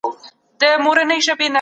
ارام ذهن تاسو ته په کارونو کي دقت درکوي.